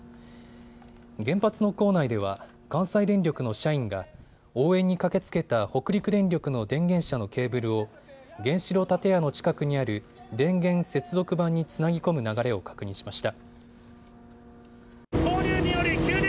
原発の構内では関西電力の社員が応援に駆けつけた北陸電力の電源車のケーブルを原子炉建屋の近くにある電源接続盤につなぎ込む流れを確認しました。